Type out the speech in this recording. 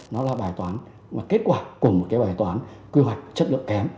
nó là bài toán kết quả của một bài toán quy hoạch chất lượng kém